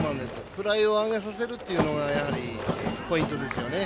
フライを上げさせるというのがポイントですよね。